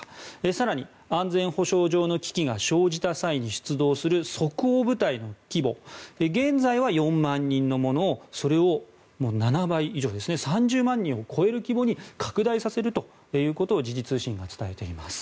更に、安全保障上の危機が生じた際に出動する即応部隊の規模現在は４万人のものをそれを７倍以上３０万人を超える規模に拡大させるということを時事通信が伝えています。